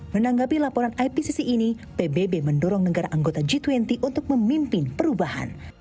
menanggapi laporan ipcc ini pbb mendorong negara anggota g dua puluh untuk memimpin perubahan